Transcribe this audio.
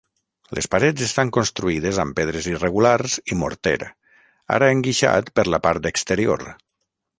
Les parets estan construïdes amb pedres irregulars i morter, ara enguixat per la part exterior.